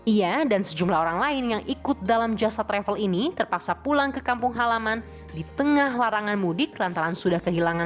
ia dan sejumlah orang lain yang ikut dalam jasa travel ini terpaksa pulang ke kampung halaman di tengah larangan mudik lantaran sudah kehilangan